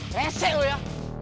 resek lu ya